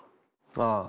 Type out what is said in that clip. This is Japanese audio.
ああ。